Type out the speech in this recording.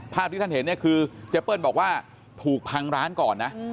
ที่ท่านเห็นเนี่ยคือเจเปิ้ลบอกว่าถูกพังร้านก่อนนะ